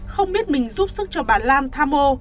không biết mình giúp sức cho bà lan tham mô